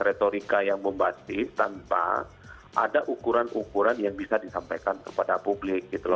retorika yang membasis tanpa ada ukuran ukuran yang bisa disampaikan kepada publik